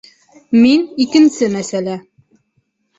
Мин - икенсе мәсьәлә.